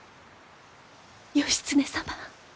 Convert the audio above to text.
義経様。